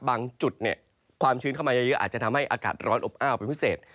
บางจุดความชื้นเข้ามาเยอะอาจจะทำให้อากาศร้อนอบอ้าวเป็นพิเศษ